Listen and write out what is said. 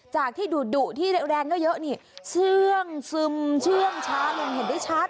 จากที่ดูดู่ที่แรกแรงก็เยอะนี่เสื้องซึมเชื่องช้างยังเห็นได้ชัด